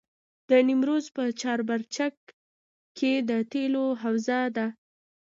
د نیمروز په چاربرجک کې د تیلو حوزه ده.